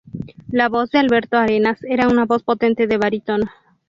La voz de Alberto Arenas era una voz potente de barítono.